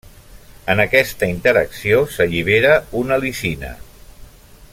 En aquesta interacció s'allibera una lisina.